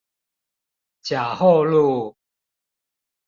甲后路